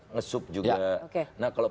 ngesup juga nah kalau